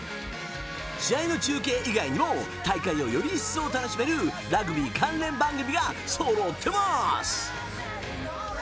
試合の中継以外にも大会、をより一層楽しめるラグビー関連番組がそろってます。